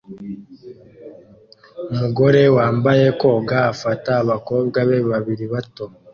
Umugore wambaye koga afata abakobwa be babiri bato